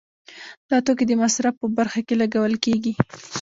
دا توکي د مصرف په برخه کې لګول کیږي.